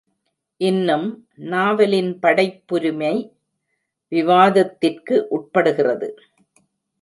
இன்னும், நாவலின் படைப்புரிமை விவாதத்திற்கு உட்படுகிறது.